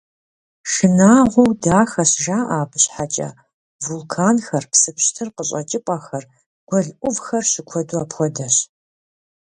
«Шынагъуэу дахэщ» жаӀэ абы щхьэкӀэ: вулканхэр, псы пщтыр къыщӀэкӀыпӀэхэр, гуэл Ӏувхэр щыкуэду апхуэдэщ.